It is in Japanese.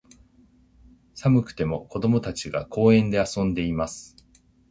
寒くても、子供たちが、公園で遊んでいます。